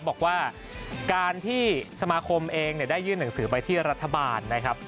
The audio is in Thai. บอกว่าการที่สมาคมเองได้ยื่นหนังสือไปที่รัฐบาลนะครับ